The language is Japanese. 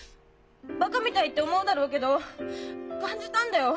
バカみたいって思うだろうけど感じたんだよ。